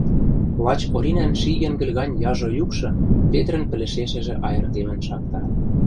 Лач Оринӓн ши йӹнгӹл гань яжо юкшы Петрӹн пӹлӹшешӹжӹ айыртемӹн шакта.